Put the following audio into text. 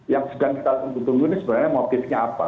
yang sedang kita tunggu tunggu ini sebenarnya motifnya apa